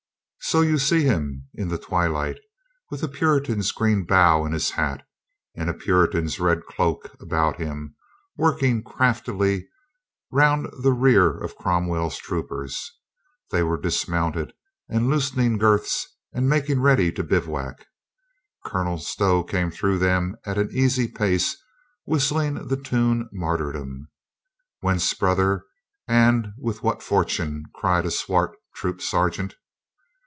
So you see him in the twilight, with a Puritan's green bough in his hat, and a Puritan's red cloak about him, working craftily round to the rear of Cromwell's troopers. They were dismounted and loosening girths, and making ready to bivouac. Colonel Stow came through them at an easy pace, whistling the tune Martyrdom. "Whence, brother? And with what fortune?" cried a swart troop sergeant.